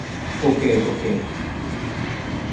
ওকে, ওকে।